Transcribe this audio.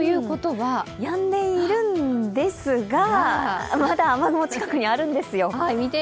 やんでいるんですが、まだ雨雲は近くにあるんですよ。